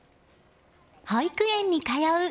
保育園に通う泰